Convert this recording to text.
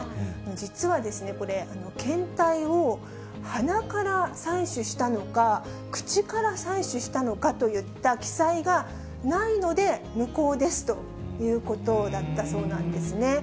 実は、これ、検体を鼻から採取したのか、口から採取したのかといった記載がないので、無効ですということだったそうなんですね。